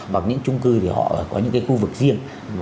hoặc những trung cư thì họ có những cái khu vực riêng